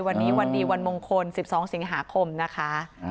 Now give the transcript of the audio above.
วันนี้วันดีวันมงคล๑๒สิงหาคมนะคะ